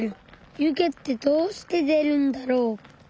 湯気ってどうして出るんだろう。